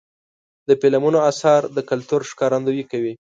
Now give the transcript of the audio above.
د فلمونو اثار د کلتور ښکارندویي کوي.